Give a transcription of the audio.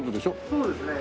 そうですね。